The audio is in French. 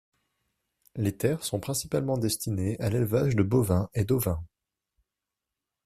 Les terres sont principalement destinées à l'élevage de bovins et d'ovins.